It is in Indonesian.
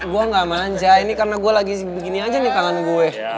gue gak manja ini karena gue lagi begini aja nih tangan gue